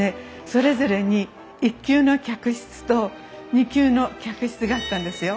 それぞれに１級の客室と２級の客室があったんですよ。